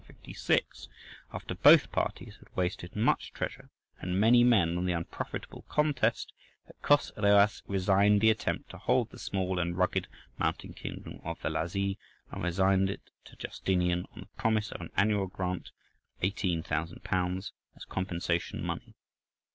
556, after both parties had wasted much treasure and many men on the unprofitable contest, that Chosroës resigned the attempt to hold the small and rugged mountain kingdom of the Lazi, and resigned it to Justinian on the promise of an annual grant of £18,000 as compensation money.